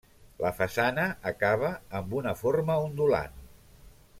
La façana acaba amb una forma ondulant.